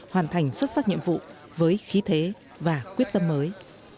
hoàn thành xuất sắc nhiệm vụ với khí thế và quyết tâm mới